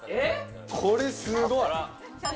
これ、すごい！